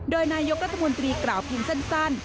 โดยนายกรัฐมนตรีกล่าวเพียงสั้น